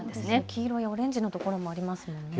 黄色やオレンジの所もありますね。